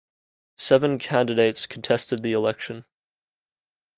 Seven candidates contested the election.